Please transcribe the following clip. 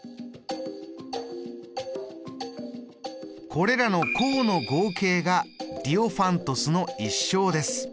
これらの項の合計がディオファントスの一生です。